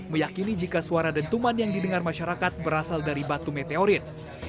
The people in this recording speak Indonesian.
meyakini jika suara dentuman yang didengar masyarakat berasal dari batu meteorit